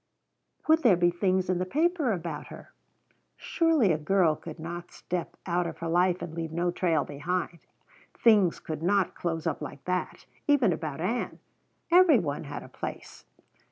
Would there be things in the paper about her? Surely a girl could not step out of her life and leave no trail behind. Things could not close up like that, even about Ann. Every one had a place.